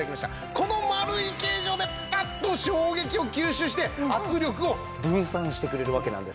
この丸い形状でピタッと衝撃を吸収して圧力を分散してくれるわけなんですね。